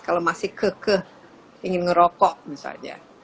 kalau masih keke ingin ngerokok misalnya